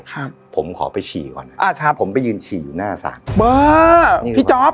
ครับผมขอไปฉี่ก่อนอ่าครับผมไปยืนฉี่อยู่หน้าสระเบอร์พี่จ๊อป